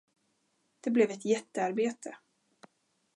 Det blev ett jättearbete.